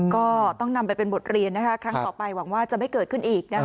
ก็ต้องนำไปเป็นบทเรียนนะคะครั้งต่อไปหวังว่าจะไม่เกิดขึ้นอีกนะคะ